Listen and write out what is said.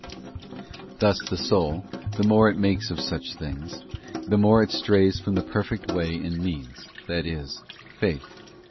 Thus the soul, the more it makes of such things, the more it strays from the perfect way and means, that is, Faith.